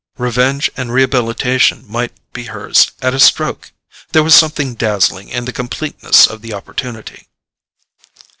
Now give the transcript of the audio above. Revenge and rehabilitation might be hers at a stroke—there was something dazzling in the completeness of the opportunity.